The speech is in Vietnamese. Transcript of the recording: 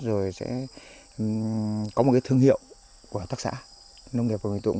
rồi sẽ có một cái thương hiệu của tác xã nông nghiệp và nguyên tụng